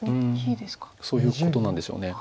そういうことなんでしょう。